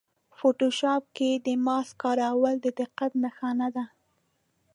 فوټوشاپ کې د ماسک کارول د دقت نښه ده.